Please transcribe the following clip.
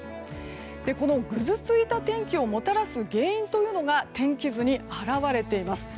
このぐずついた天気をもたらす原因というのが天気図に表れています。